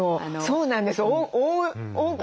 そうなんです。